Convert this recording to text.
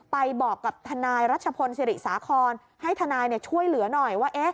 ไปบอกกับทนายรัชพลศิริสาครให้ทนายช่วยเหลือหน่อยว่า